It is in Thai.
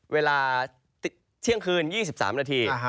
เวลาเที่ยงคืน๒๓นาที